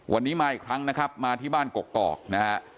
วันนี้มาอีกครั้งนะครับมาที่บ้านกกอกนะฮะ